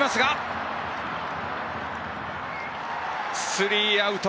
スリーアウト。